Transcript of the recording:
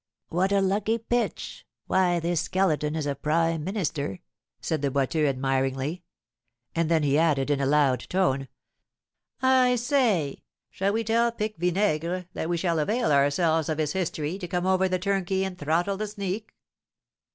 "What a lucky pitch! Why, this Skeleton is a prime minister!" said the Boiteux, admiringly; and then he added, in a loud tone, "I say, shall we tell Pique Vinaigre that we shall avail ourselves of his history to come over the turnkey and throttle the sneak?"